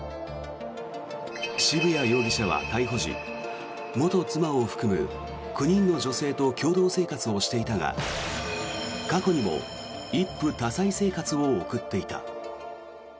渋谷容疑者は逮捕時元妻を含む９人の女性と共同生活をしていたが、過去にも一夫多妻生活を送っていた。